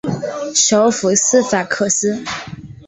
首府斯法克斯。